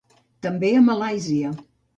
També a Malàisia.